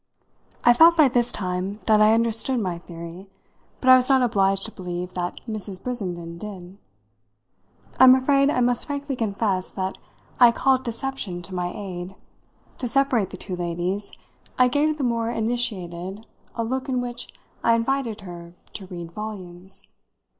I felt by this time that I understood my theory, but I was not obliged to believe that Mrs. Brissenden did. I am afraid I must frankly confess that I called deception to my aid; to separate the two ladies I gave the more initiated a look in which I invited her to read volumes.